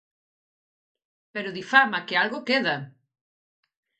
Pero difama, que algo queda.